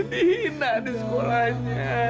dihina di sekolahnya